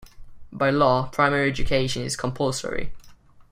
By law, primary education is compulsory.